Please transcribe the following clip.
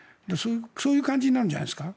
そういう感じになるんじゃないですか。